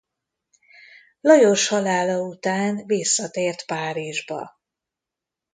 Lajos halála után visszatért Párizsba.